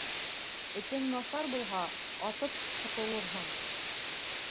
Этең насар булһа, атып ҡотолорһоң